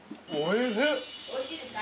美味しいですか？